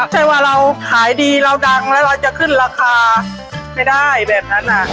ใช่ว่าเราขายดีเราดังแล้วเราจะขึ้นราคาไม่ได้แบบนั้น